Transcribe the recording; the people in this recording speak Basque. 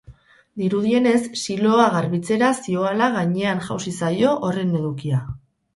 Dirudienez, siloa garbitzera zihoala gainean jausi zaio horren edukia.